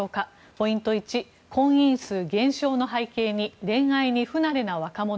ポイント１、婚姻数減少の背景に恋愛に不慣れな若者。